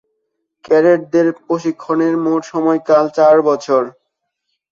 ক্যাডেটদের প্রশিক্ষণের মোট সময়কাল চার বছর।